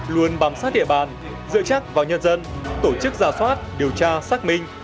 luôn bám sát địa bàn dựa chắc vào nhân dân tổ chức giả soát điều tra xác minh